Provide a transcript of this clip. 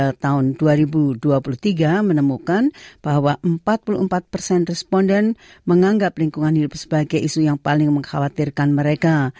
pada tahun dua ribu dua puluh tiga menemukan bahwa empat puluh empat persen responden menganggap lingkungan hidup sebagai isu yang paling mengkhawatirkan mereka